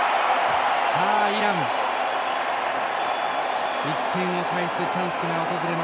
イラン、１点を返すチャンス。